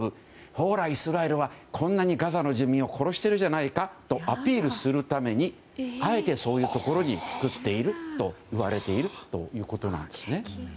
ほらイスラエルはこんなにガザの住民を殺しているじゃないかとアピールするためにあえて、そういうところに作っているといわれているということなんですね。